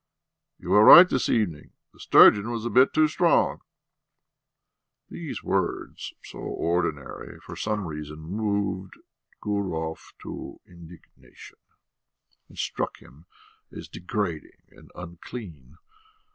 "You were right this evening: the sturgeon was a bit too strong!" These words, so ordinary, for some reason moved Gurov to indignation, and struck him as degrading and unclean.